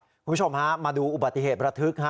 คุณผู้ชมฮะมาดูอุบัติเหตุระทึกฮะ